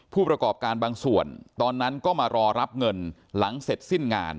ผู้ประกอบการบางส่วนตอนนั้นก็มารอรับเงินหลังเสร็จสิ้นงาน